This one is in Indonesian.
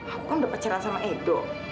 aku kan udah pacaran sama edo